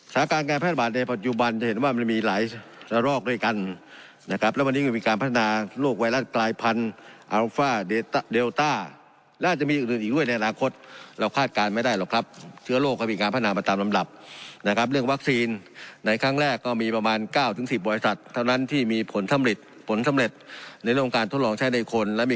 สถานะการณ์งานพยาบาลในปัจจุบันจะเห็นว่ามีหลายระรอกด้วยกันนะครับแล้ววันนี้มีการพัฒนาโรคไวรัสกลายพันธุ์อัลฟ้าเดลต้าแล้วจะมีอื่นอีกด้วยในอนาคตเราคาดการณ์ไม่ได้หรอกครับเชื้อโรคกระบิการพัฒนาประตามลำดับนะครับเรื่องวัคซีนไหนครั้งแรกก็มีประมาณ๙ถึง๑๐บริษัทเท่านั้นที่มีผล